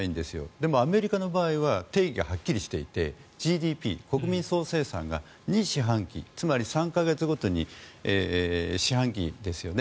でもアメリカの場合は定義がはっきりしていてＧＤＰ・国内総生産に２四半期、つまり３か月ごとに四半期ですよね。